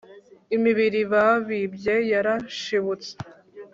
imibiri babibye yarashibutse